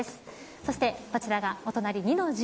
そしてこちらがお隣、二の重